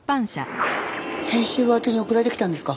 編集部宛てに送られてきたんですか？